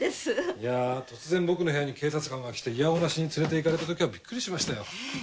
いや突然僕の部屋に警察官が来ていやおうなしに連れていかれたときはびっくりしましたよ。